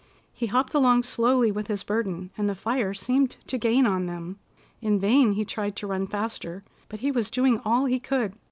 He hopped along slowly with his burden, and the fire seemed to gain on them. In vain he tried to run faster, but he was doing all he could.